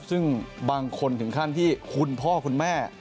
ซึ่งบางคนถึงขั้นที่คุณพ่อคุณแม่